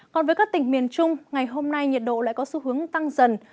còn với các tỉnh miền trung ngày hôm nay nhiệt độ lại có xu hướng tăng dần